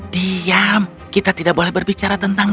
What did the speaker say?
diam kita tidak boleh berbicara tentang